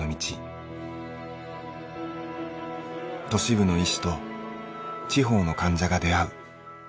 都市部の医師と地方の患者が出会う。